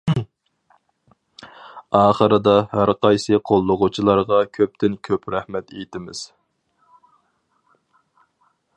ئاخىرىدا ھەرقايسى قوللىغۇچىلارغا كۆپتىن كۆپ رەھمەت ئېيتىمىز.